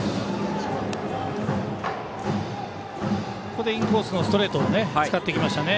ここでインコースのストレートを使ってきましたね。